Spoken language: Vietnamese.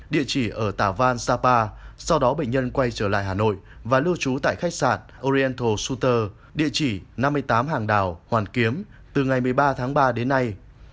địa chỉ ở tà văn sapa sau đó bệnh nhân quay trở lại hà nội và lưu trú tại khách sạn oriental shoter địa chỉ năm mươi tám hàng đào hoàn kiếm từ ngày một mươi ba tháng ba đến nay